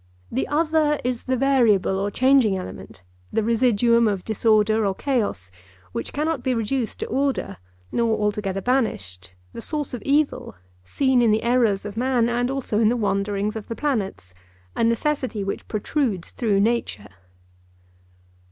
The Other is the variable or changing element, the residuum of disorder or chaos, which cannot be reduced to order, nor altogether banished, the source of evil, seen in the errors of man and also in the wanderings of the planets, a necessity which protrudes through nature.